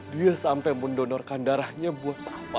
dia sampai mendonorkan darahnya buat apa